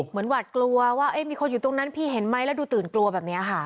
หวาดกลัวว่ามีคนอยู่ตรงนั้นพี่เห็นไหมแล้วดูตื่นกลัวแบบนี้ค่ะ